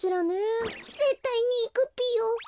ぜったいにいくぴよ。